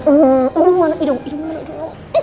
um um mana idung idung